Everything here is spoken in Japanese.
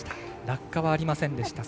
落下はありませんでした。